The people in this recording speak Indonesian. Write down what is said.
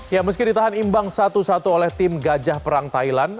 ya meski ditahan imbang satu satu oleh tim gajah perang thailand